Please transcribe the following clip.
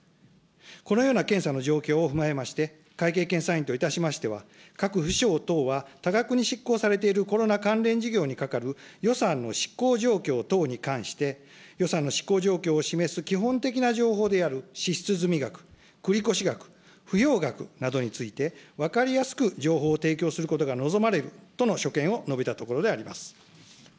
このような検査の状況を踏まえまして、会計検査院といたしましては、各府省等は多額に執行されているコロナ関連事業にかかる予算の執行状況等に関して、予算の執行状況を示す基本的な情報である支出済額、繰越額、不用額などについて、分かりやすく情報を提供することが望まれるとの所見を述べたとこ